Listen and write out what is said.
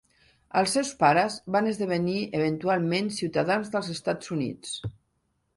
Els seus pares van esdevenir eventualment ciutadans dels Estats Units.